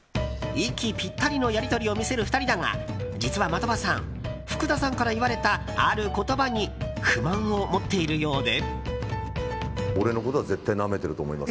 息ぴったりのやり取りを見せる２人だが実は的場さん福田さんから言われたある言葉に不満を持っているようで。